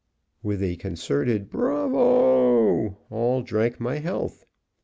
With a concerted "Bravo!" all drank my health.